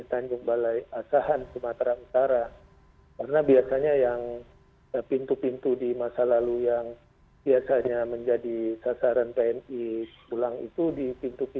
terima kasih pak